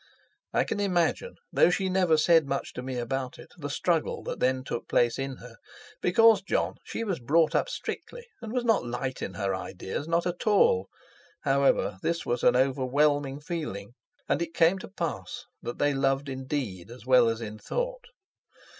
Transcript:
I can imagine—though she never said much to me about it—the struggle that then took place in her, because, Jon, she was brought up strictly and was not light in her ideas—not at all. However, this was an overwhelming feeling, and it came to pass that they loved in deed as well as in thought.